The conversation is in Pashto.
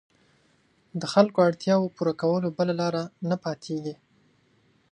د خلکو اړتیاوو پوره کولو بله لاره نه پاتېږي.